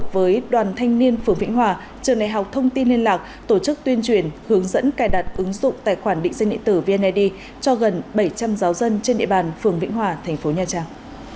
với đoàn thanh niên phường vĩnh hòa trường đại học thông tin liên lạc tổ chức tuyên truyền hướng dẫn cài đặt ứng dụng tài khoản định danh điện tử vneid cho gần bảy trăm linh giáo dân trên địa bàn phường vĩnh hòa thành phố nha trang